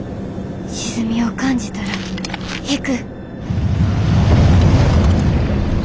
沈みを感じたら引く。